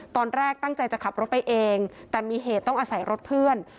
ตอนแรกตั้งใจจะขับรถไปเองแต่มีเหตุต้องอาศัยรถเพื่อน